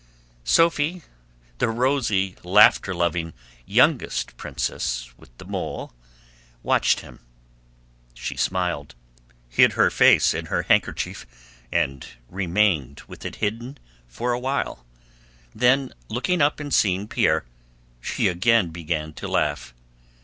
Sophie, the rosy, laughter loving, youngest princess with the mole, watched him. She smiled, hid her face in her handkerchief, and remained with it hidden for awhile; then looking up and seeing Pierre she again began to laugh.